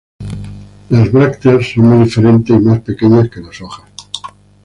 Las brácteas son muy diferentes y más pequeñas que las hojas.